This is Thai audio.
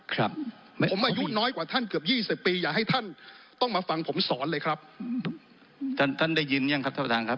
ครับผมอายุน้อยกว่าท่านเกือบยี่สิบปีอย่าให้ท่านต้องมาฟังผมสอนเลยครับท่านท่านได้ยินยังครับท่านประธานครับ